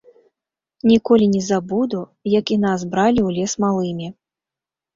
Ніколі не забуду, як і нас бралі ў лес малымі.